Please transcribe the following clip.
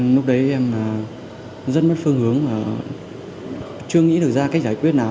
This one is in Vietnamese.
lúc đấy em rất mất phương hướng mà chưa nghĩ được ra cách giải quyết nào